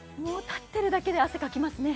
立っているだけで汗かきますね。